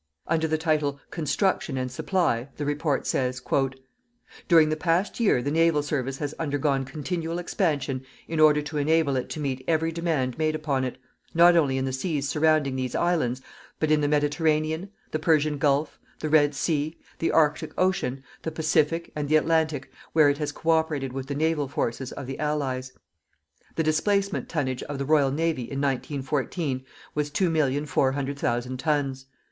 Under the title "Construction and Supply" the Report says: During the past year the Naval Service has undergone continual expansion in order to enable it to meet every demand made upon it, not only in the seas surrounding these islands, but in the Mediterranean, the Persian Gulf, the Red Sea, the Arctic Ocean, the Pacific, and the Atlantic, where it has co operated with the Naval forces of the Allies. The displacement tonnage of the Royal Navy in 1914 was 2,400,000 tons.